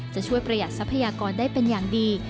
จะช่วยประหยัดทรัพยากรได้เป็นอย่างดี